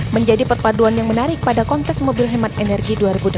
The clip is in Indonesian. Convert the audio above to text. menjadi perpaduan yang menarik pada kontes mobil hemat energi dua ribu delapan belas